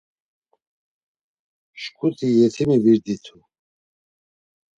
Şǩu yetimi virditu.